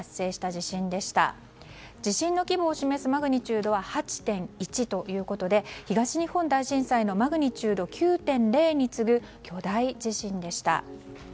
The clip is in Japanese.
地震の規模を示すマグニチュードは８．１ということで東日本大震災のマグニチュード９．０に次ぐ巨大地震でした。